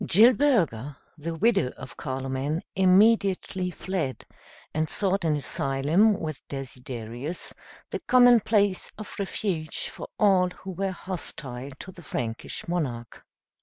Gilberga, the widow of Carloman, immediately fled, and sought an asylum with Desiderius, the common place of refuge for all who were hostile to the Frankish monarch.